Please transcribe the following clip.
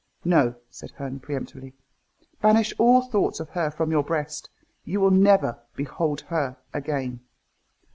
"No," said Herne peremptorily. "Banish all thoughts of her from your breast. You will never behold her again.